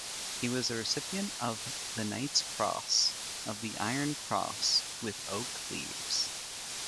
He was a recipient the Knight's Cross of the Iron Cross with Oak Leaves.